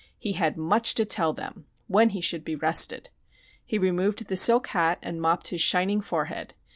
He had much to tell them when he should be rested. He removed the silk hat and mopped his shining forehead.